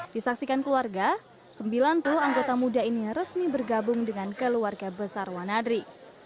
disaksikan keluarga sembilan puluh anggota muda ini resmi bergabung dengan keluarga besar wanadri